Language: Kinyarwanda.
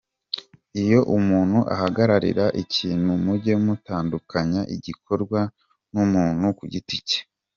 Iyo umuntu ahagarariye ikintu mujye mutandukanya igikorwa n’umuntu ku giti cye.